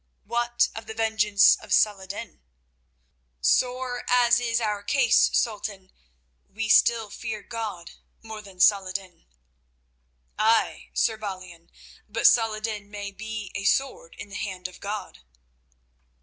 "What of the vengeance of Salah ed din?" "Sore as is our case, Sultan, we still fear God more than Saladin." "Ay, Sir Balian, but Salah ed din may be a sword in the hand of God."